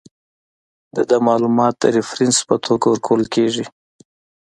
د ده معلومات د ریفرنس په توګه ورکول کیږي.